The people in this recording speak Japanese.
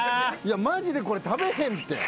マジでこれ食べへんって。